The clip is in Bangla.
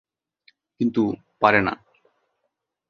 কিন্তু পারে না।